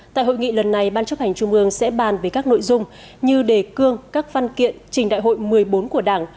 tại hội nghị lần này ban chấp hành trung ương sẽ bàn về các nội dung như đề cương các văn kiện trình đại hội một mươi bốn của đảng